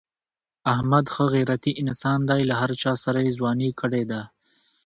احمد ښه غیرتی انسان دی. له هر چاسره یې ځواني کړې ده.